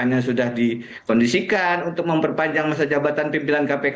yang sudah terbigot di mest hol m gel juntron